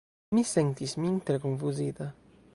Mi sentis min tre konfuzita.